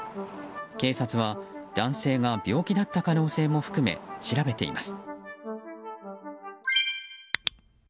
警察は男性が病気だった可能性も含め調べています。